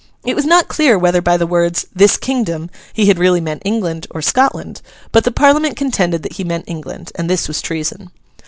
It was not clear whether by the words 'this kingdom,' he had really meant England or Scotland; but the Parliament contended that he meant England, and this was treason.